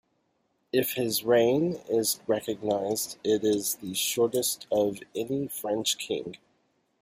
If his reign is recognized, it is the shortest of any French king.